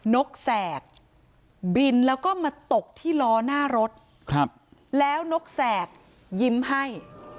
นกแสกบินแล้วก็มาตกที่ล้อหน้ารถแล้วนกแสบยิ้มให้